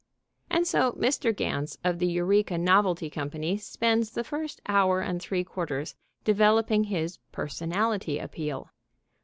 and so Mr. Ganz of the Eureka Novelty Company spends the first hour and three quarters developing his "personality appeal."